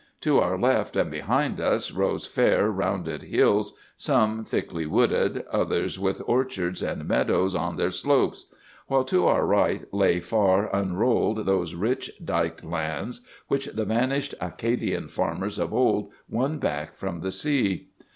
To our left, and behind us, rose fair, rounded hills, some thickly wooded, others with orchards and meadows on their slopes; while to our right lay far unrolled those rich diked lands which the vanished Acadian farmers of old won back from the sea.